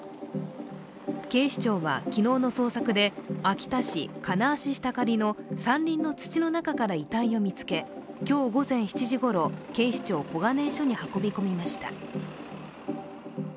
警視庁は昨日の捜索で秋田市金足下刈の山林の土の中から遺体を見つけ、今日午前７時ごろ、警視庁小金井署に運び込みました。